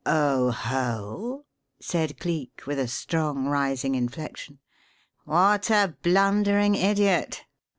"Oho!" said Cleek, with a strong rising inflection. "What a blundering idiot!